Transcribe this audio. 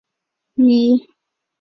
现在礼拜堂的别名是光之教会。